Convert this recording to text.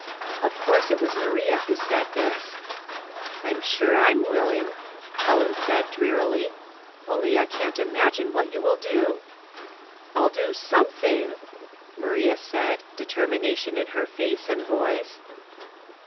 Of course it was Mari.t w !:o said this. "I'm sure I'm willm:;];^. ' Helen said, drearily. *'Only I can't imagine v/is.it you will do.'* ''I'll do 807nething^^' I^.l.iii.i said, determination in her face and voice.